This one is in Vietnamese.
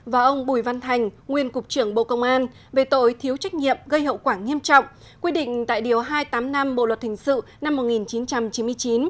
và ông bùi văn thành nguyên cục trưởng bộ công an về tội thiếu trách nhiệm gây hậu quả nghiêm trọng quy định tại điều hai trăm tám mươi năm bộ luật hình sự năm một nghìn chín trăm chín mươi chín